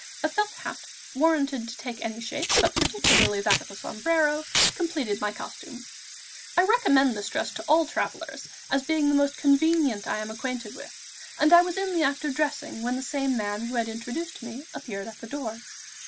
A felt hat, warranted to take any shape, but particularly that of a sombrero, completed my costume. I recommend this dress to all travellers as being the most convenient I am acquainted with, and I was in the act of dressing, when the same man who had introduced me appeared at the door.